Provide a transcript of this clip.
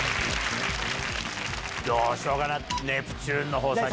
どうしようかな。